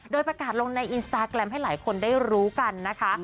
โดยประกาศลงในอินสตาแกรมให้หลายคนได้รู้กันนะคะ